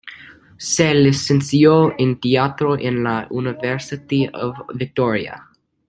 Se licenció en Teatro en la University of Victoria.